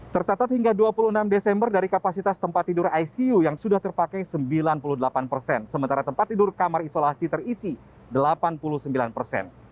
tercatat hingga dua puluh enam desember dari kapasitas tempat tidur icu yang sudah terpakai sembilan puluh delapan persen sementara tempat tidur kamar isolasi terisi delapan puluh sembilan persen